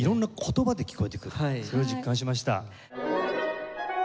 それを実感しました。